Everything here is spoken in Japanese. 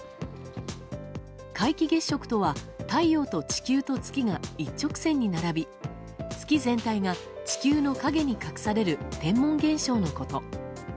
皆既月食とは太陽と地球と月が一直線に並び月全体が地球の影に隠される天文現象のこと。